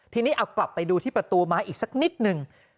ทีนี้เอากลับไปดูที่ประตูม้าอีกสักนิดหนึ่ง